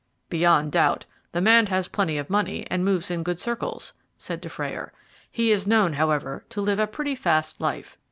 "Beyond doubt, the man has plenty of money, and moves in good circles," said Dufrayer. "He is known, however, to live a pretty fast life.